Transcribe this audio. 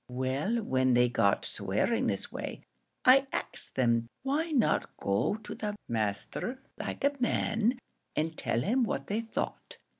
Well, when they got swearing this way, I axed 'em, why not go to the masther like a man, and tell him what they thought.